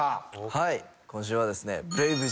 はい今週はですね。